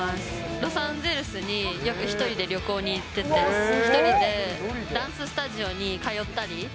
ロサンゼルスによく１人で旅行に行ってて、１人でダンススタジオ